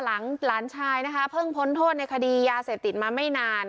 หลังหลานชายใหว้เผินพ้นโทษในคดียาเสพติดมาไม่นาน